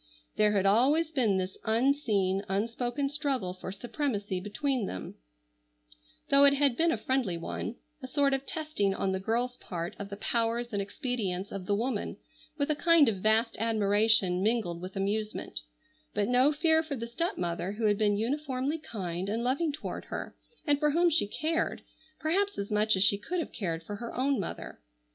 There had always been this unseen, unspoken struggle for supremacy between them; though it had been a friendly one, a sort of testing on the girl's part of the powers and expedients of the woman, with a kind of vast admiration, mingled with amusement, but no fear for the stepmother who had been uniformly kind and loving toward her, and for whom she cared, perhaps as much as she could have cared for her own mother.